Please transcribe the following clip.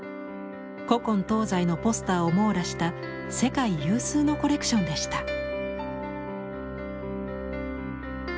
古今東西のポスターを網羅した世界有数のコレクションでした。